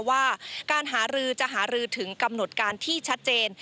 ว่าการหารือจะหารือถึงกำหนดการที่ชัดเจน